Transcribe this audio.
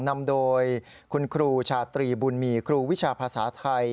นำโดยคุณครูชาตรีบุญมีครูวิชาภาษาไทย